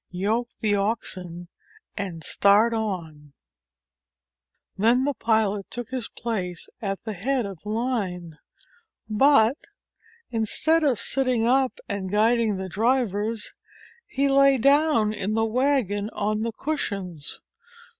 Yoke the oxen and start on." Then the pilot took his place at the head of the line. But, instead of sitting up and guiding the drivers, he lay down in the wagon on the cushions.